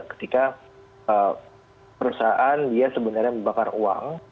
ketika perusahaan dia sebenarnya membakar uang